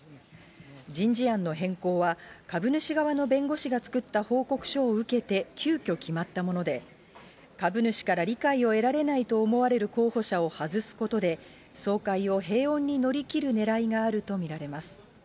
人事案の変更は、株主側の弁護士が作った報告書を受けて、急きょ決まったもので、株主から理解を得られないと思われる候補者を外すことで、総会を平穏に乗り切るねらいがあると見られます。